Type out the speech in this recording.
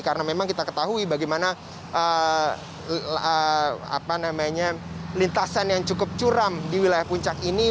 karena memang kita ketahui bagaimana lintasan yang cukup curam di wilayah puncak ini